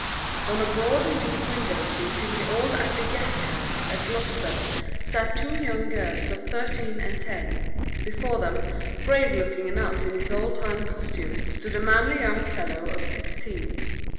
On a broad and deep window seat in the old Abbey guest house at Gloucester, sat two young girls of thirteen and ten; before them, brave looking enough in his old time costume, stood a manly young fellow of sixteen.